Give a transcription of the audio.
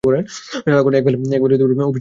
সারাক্ষণ এক বালের অভিশাপ নিয়ে পড়ে আছে।